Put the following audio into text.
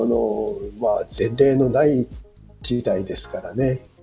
前例のない事態ですからね。